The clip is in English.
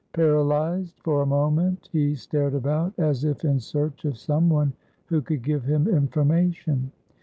Paralysed for a moment, he stared about, as if in search of someone who could give him information.